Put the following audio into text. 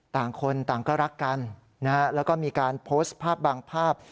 ต่างคนต่างก็รักกันนะฮะแล้วก็มีการโพสต์ภาพบางภาพ